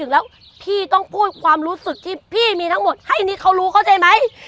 แล้วพี่ต้องพูดความรู้สึกที่พี่มีทั้งหมดให้นี่เขารู้เข้าใจไหม